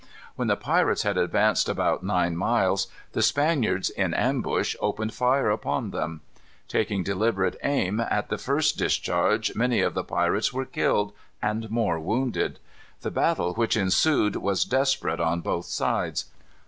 When the pirates had advanced about nine miles, the Spaniards in ambush opened fire upon them. Taking deliberate aim, at the first discharge many of the pirates were killed, and more wounded. The battle which ensued was desperate on both sides.